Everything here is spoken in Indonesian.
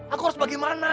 aku harus bagi mana